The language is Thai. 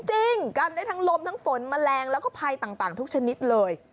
กันได้ทั้งลมทั้งฝนแมลงแล้วก็ภัยต่างทุกชนิดเลย